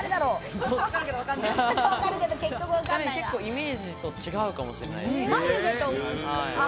ちなみに結構イメージと違うかもしれない。